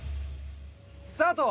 スタート！